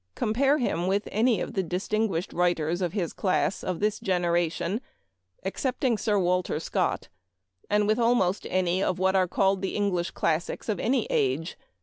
Compare him with any of the distinguished writers of his class of this generation, except ing Sir Walter Scott, and with almost any of what are called the English classics of any age.